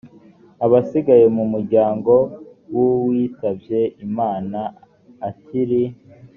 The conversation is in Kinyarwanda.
abasigaye mu muryango w uwitabye imana akiri